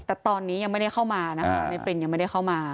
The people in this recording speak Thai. แต่ตอนนี้ยังไม่ได้เข้ามานะคะในปรินยังไม่ได้เข้ามา